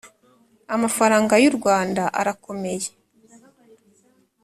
amafaranga y’u rwanda arakomeye